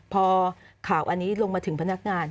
พอข่าวอันนี้ลงมาถึงพนักงาน